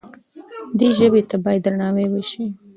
دې ژبې ته باید درناوی وشي.